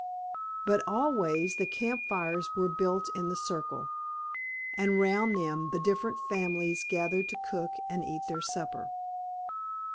But always the camp fires were built in the circle, and round them the different families gathered to cook and eat their supper.